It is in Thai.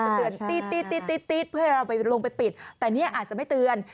จะเตือนตี๊ดเพื่อลงไปปิดแต่นี่อาจจะไม่เตือน